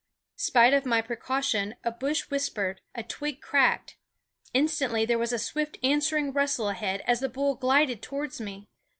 Spite of my precaution a bush whispered; a twig cracked. Instantly there was a swift answering rustle ahead as the bull glided towards me.